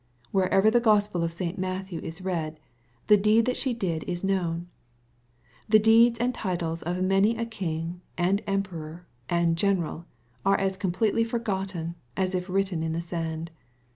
Wher ever the Gospel of St. Matthew is read, the deed that she did is known. The deeds and titles of many a king, and emperor, and general, are as completely forgotten, as if written in the sand.